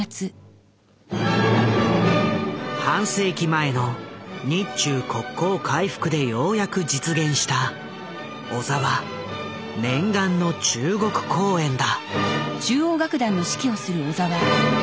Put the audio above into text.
半世紀前の日中国交回復でようやく実現した小澤念願の中国公演だ。